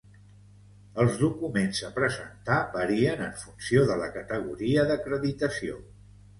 Els documents a presentar varien en funció de la categoria d'acreditació.